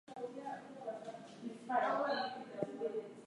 There is easy access via the regular running lake ferries.